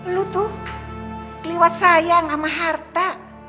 lu tuh keliwat sayang sama harta